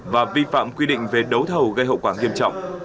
và vi phạm quy định về đấu thầu gây hậu quả nghiêm trọng